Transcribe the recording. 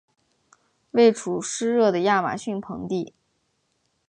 位处湿热的亚马逊盆地。